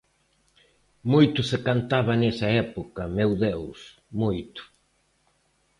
Moito se cantaba nesa época, meu deus, moito.